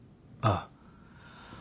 ああ。